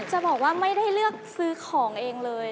จะบอกว่าไม่ได้เลือกซื้อของเองเลย